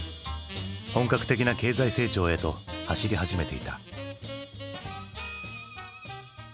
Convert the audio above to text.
本格的な経済成長へと走り始めていた。